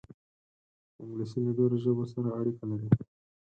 انګلیسي له ډېرو ژبو سره اړیکه لري